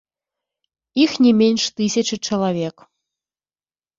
Іх не менш тысячы чалавек.